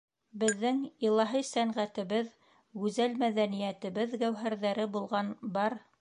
Беҙҙең илаһи сәнғәтебеҙ, гүзәл мәҙәниәтебеҙ гәүһәрҙәре булған, бар...